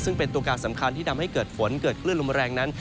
ซึ่งเป็นตัวการสำคัญที่ทำให้เกิดฝนเกิดคลื่นลมแรงนั้น